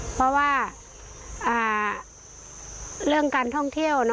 เพราะว่าเรื่องการท่องเที่ยว